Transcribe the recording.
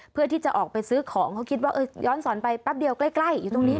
เพื่อที่จะออกไปซื้อของเขาคิดว่าย้อนสอนไปแป๊บเดียวใกล้อยู่ตรงนี้